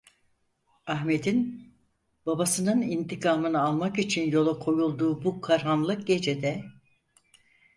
Ahmet'in, babasının intikamını almak için yola koyulduğu bu karanlık gecede.